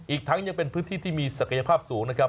อีกทั้งยังเป็นพื้นที่ที่มีศักยภาพสูงนะครับ